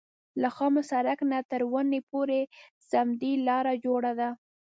له خامه سړک نه تر ونې پورې سمټي لاره جوړه ده.